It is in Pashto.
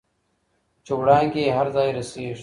چې وړانګې یې هر ځای رسیږي.